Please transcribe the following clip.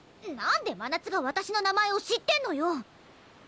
なんでまなつがわたしの名前を知ってんのよ！